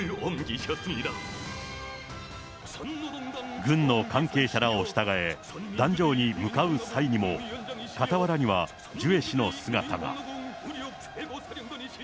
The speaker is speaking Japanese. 軍の関係者らを従え、壇上に向かう際にも、傍らには、ジュエ氏の姿が。